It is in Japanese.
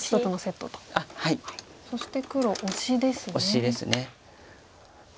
そして黒オシですね。